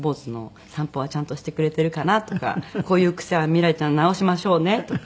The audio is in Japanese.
「散歩はちゃんとしてくれてるかな？」とか「こういう癖は未來ちゃん直しましょうね」とか。